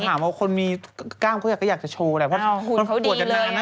แต่ถามว่าคนมีกล้ามก็อยากจะโชว์แหละ